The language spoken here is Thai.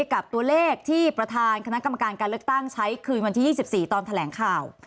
กับตัวเลขที่ประธานคณะกรรมการการเลือกตั้งใช้คืนวันที่๒๔ตอนแถลงข่าว